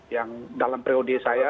yang dalam priori saya